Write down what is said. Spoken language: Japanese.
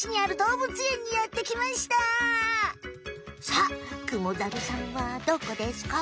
さあクモザルさんはどこですか？